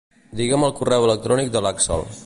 Digue'm el correu electrònic de l'Àxel.